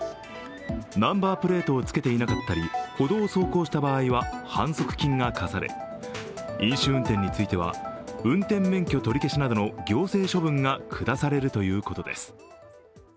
ナンバープレートをつけていなかったり、歩道を走行した場合は反則金が科され飲酒運転については運転免許取り消しなどの行政処分が下されるということです。